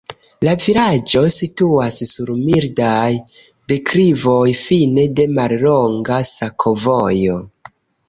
La vilaĝo situas sur mildaj deklivoj, fine de mallonga sakovojo.